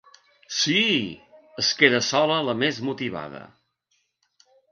Síííí —es queda sola la més motivada.